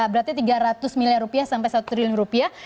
berarti tiga ratus miliar rupiah sampai satu triliun rupiah